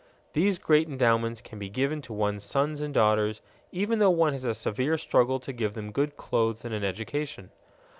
These great endowments can be given to one's sons and daughters even though one has a severe struggle to give them good clothes and an education.